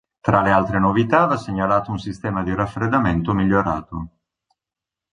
Tra le altre novità va segnalato un sistema di raffreddamento migliorato.